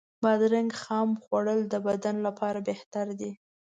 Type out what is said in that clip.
بادرنګ خام خوړل د بدن لپاره بهتر دی.